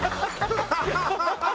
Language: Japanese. ハハハハ！